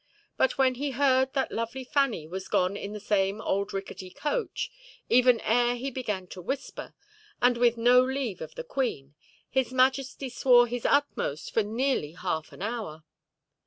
But when he heard that lovely Fanny was gone in the same old rickety coach, even ere he began to whisper, and with no leave of the queen, His Majesty swore his utmost for nearly half an hour.